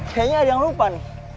kayaknya ada yang lupa nih